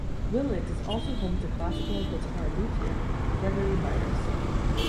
Willits is also home to classical guitar luthier Gregory Byers.